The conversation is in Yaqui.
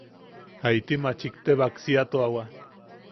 Jaiti maachik te baksiatuawa.